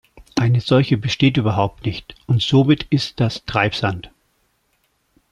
Eine solche besteht überhaupt nicht, und somit ist das Treibsand!